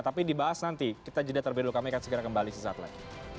tapi dibahas nanti kita jeda terlebih dahulu kami akan segera kembali sesaat lagi